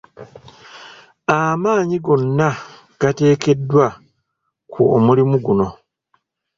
Amaanyi gonna g’atekeddwa ku omulimu guno.